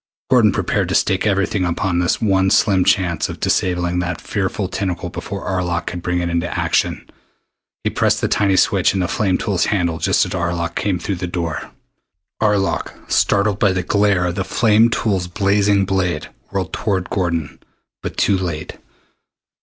Gordon prepared to stake everything upon his one slim chance of disabling that fearful tentacle before Arlok could bring it into action. He pressed the tiny switch in the flame tool's handle just as Arlok came through the door. Arlok, startled by the glare of the flame tool's blazing blade, whirled toward Gordon but too late.